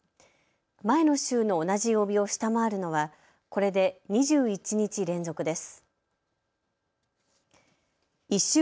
前の週の同じ曜日を下回るのはこれで２１日連続です。